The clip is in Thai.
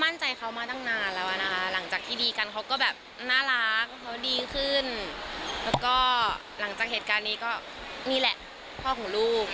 แล้วดีขึ้นแล้วก็หลังจากเหตุการณ์นี้ก็นี่แหละพ่อของลูก